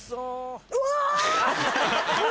うわ！